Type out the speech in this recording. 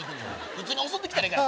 普通に襲って来たらええから。